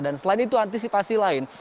dan selain itu antisipasi lain